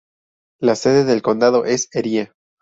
La sede del condado es Erie.